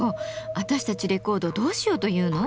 私たちレコードをどうしようというの？